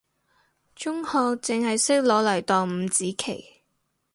中學淨係識攞嚟當五子棋，